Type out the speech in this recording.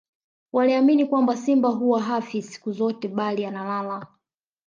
waliamini kwamba simba huwa hafi siku zote bali analala